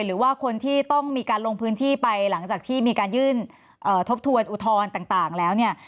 หรือว่าคนที่ต้องมีการลงพื้นที่ไปหลังจากที่มีการยื่นทบทวนอุทธรณ์ต่างแล้วเนี่ย